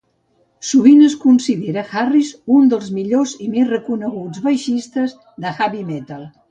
Sovint es considera Harris un dels millors i més reconeguts baixistes de "heavy metal".